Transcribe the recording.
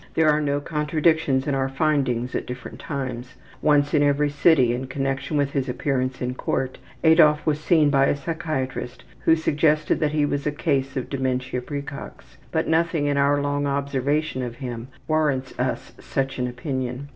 There are no contradictions in our findings at different times. Once, in another city, in connection with his appearance in court, Adolf was seen by a psychiatrist who suggested that he was a case of dementia precox, but nothing in our long observation of him warrants us in such an opinion.